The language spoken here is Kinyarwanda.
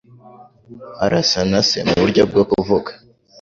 Arasa na se muburyo bwo kuvuga.